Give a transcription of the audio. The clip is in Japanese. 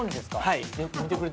はい。